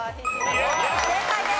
正解です。